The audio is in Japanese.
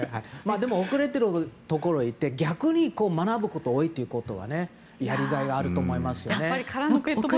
でも、遅れているところへ行って逆に学ぶことが多いということはやりがいがあるなと思いますね。